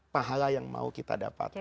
pahala yang mau kita dapat